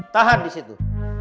tahan di situ